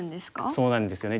そうなんですよね